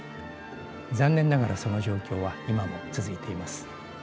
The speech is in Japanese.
残念ながらその状況は今も続いています。